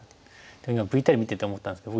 ＶＴＲ見てて思ったんですけど